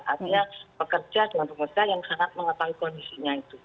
artinya pekerja dan pemerintah yang sangat mengetahui kondisinya itu